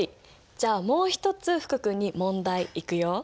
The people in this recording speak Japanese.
じゃあもう一つ福くんに問題いくよ。